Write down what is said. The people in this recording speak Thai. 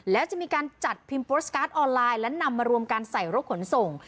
แล้วจะมีการจัดพิมพ์โพสต์การ์ดออนไลน์และนำมารวมกันใส่รถขนส่ง